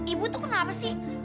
ibu tuh kenapa sih